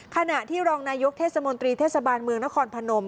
ขณะที่รองนายกเทศมนตรีเทศบาลเมืองนครพนม